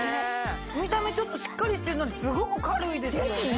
見た目しっかりしてんのにすごく軽いですよね。